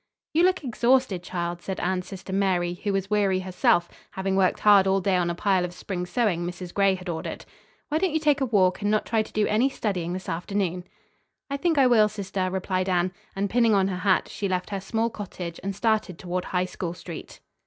"You look exhausted, child," said Anne's sister Mary, who was weary herself, having worked hard all day on a pile of spring sewing Mrs. Gray had ordered. "Why don't you take a walk and not try to do any studying this afternoon?" "I think I will, sister," replied Anne; and, pinning on her hat, she left her small cottage and started toward High School Street.